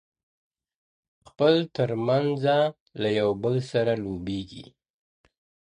خپل ترمنځه له یو بل سره لوبېږي-